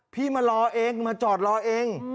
พี่มารอเองมาจอดรอเอง